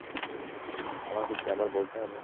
আমাকে কি আবার বলতে হবে?